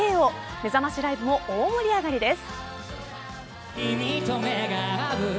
めざましライブも大盛り上がりです。